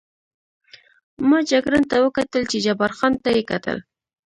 ما جګړن ته وکتل، چې جبار خان ته یې کتل.